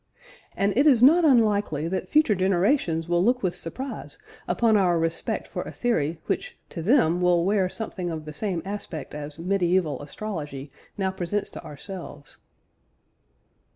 And it is not unlikely that future generations will look with surprise upon our respect for a theory which to them will wear something of the same aspect as medieval astrology now presents to ourselves.